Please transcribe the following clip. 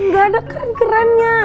gak ada keren kerennya